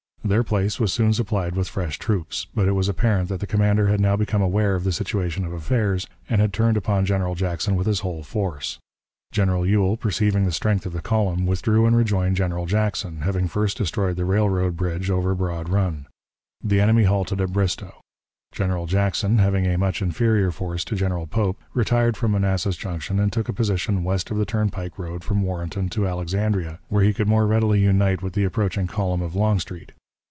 Their place was soon supplied with fresh troops, but it was apparent that the commander had now become aware of the situation of affairs, and had turned upon General Jackson with his whole force. General Ewell, perceiving the strength of the column, withdrew and rejoined General Jackson, having first destroyed the railroad bridge over Broad Run. The enemy halted at Bristoe. General Jackson, having a much inferior force to General Pope, retired from Manassas Junction and took a position west of the turnpike road from Warrenton to Alexandria, where he could more readily unite with the approaching column of Longstreet.